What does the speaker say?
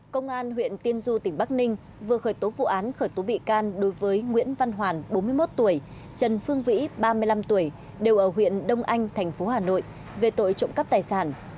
công an huyện tiên du tỉnh bắc ninh vừa khởi tố vụ án khởi tố bị can đối với nguyễn văn hoàn bốn mươi một tuổi trần phương vĩ ba mươi năm tuổi đều ở huyện đông anh thành phố hà nội về tội trộm cắp tài sản